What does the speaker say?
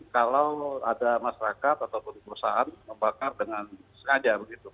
kalau ada masyarakat ataupun perusahaan membakar dengan sengaja begitu